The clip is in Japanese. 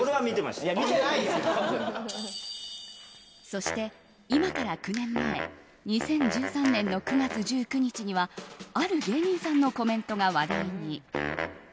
そして、今から９年前２０１３年の９月１９日にはある芸人さんのコメントが話題に。